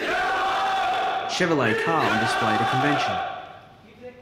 Chevrolet car on display at a convention